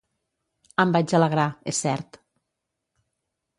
Em vaig alegrar, és cert.